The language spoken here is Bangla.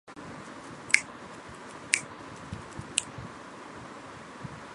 মানুষের শরীরের সাথে মনের একটি বিশেষ সম্পর্ক আছে।